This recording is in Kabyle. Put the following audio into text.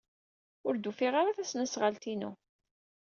Ur d-ufiɣ ara tasnasɣalt-inu.